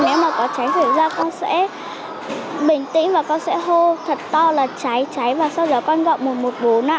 nếu mà có cháy xảy ra con sẽ bình tĩnh và con sẽ hô thật to là cháy cháy và sau đó con gậm một trăm một mươi bốn ạ